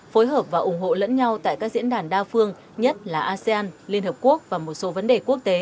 phối hợp và ủng hộ lẫn nhau tại các diễn đàn đa phương nhất là asean liên hợp quốc và một số vấn đề quốc tế